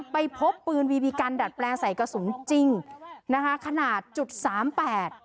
ไปพบปืนวีบีกันดัดแปลงใส่กระสุนจริงนะคะขนาดจุดสามแปด